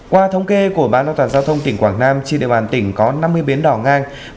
qua thống kê của ban an toàn giao thông tỉnh quảng nam trên địa bàn tỉnh có năm mươi bến đỏ ngang